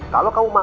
kalau kamu masuk